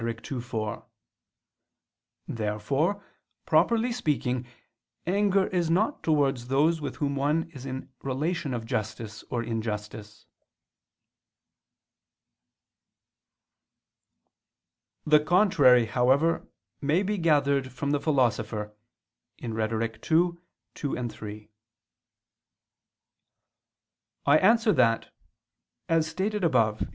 ii, 4). Therefore properly speaking, anger is not towards those with whom one is in relation of justice or injustice. The contrary, however, may be gathered from the Philosopher (Rhet. ii, 2, 3). I answer that, As stated above (A.